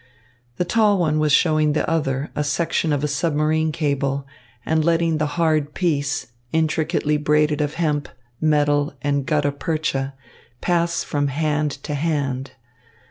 The tall one was showing the other a section of a submarine cable and letting the hard piece, intricately braided of hemp, metal and gutta percha, pass from hand to hand.